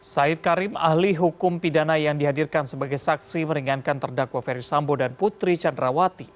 said karim ahli hukum pidana yang dihadirkan sebagai saksi meringankan terdakwa ferry sambo dan putri candrawati